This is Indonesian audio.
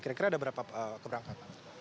kira kira ada berapa keberangkatan